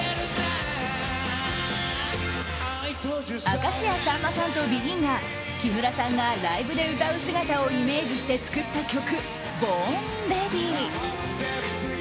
明石家さんまさんとＢＥＧＩＮが木村さんがライブで歌う姿をイメージして作った曲「Ｂｏｒｎｒｅａｄｙ」。